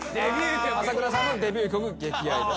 朝倉さんのデビュー曲『激愛』